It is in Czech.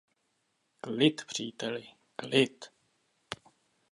Klid, příteli, klid!